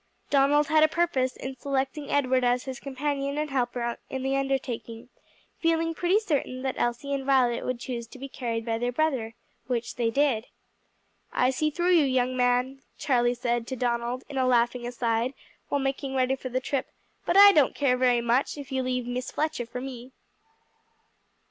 Donald had a purpose in selecting Edward as his companion and helper in the undertaking; feeling pretty certain that Elsie and Violet would choose to be carried by their brother, which they did. "I see through you, young man," Charlie said to Donald in a laughing aside while making ready for the trip, "but I don't care very much, if you leave Miss Fletcher for me."